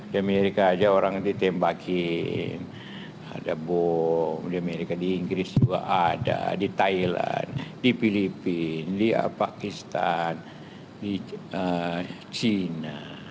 di amerika aja orang ditembakin ada bom di amerika di inggris juga ada di thailand di filipina di pakistan di cina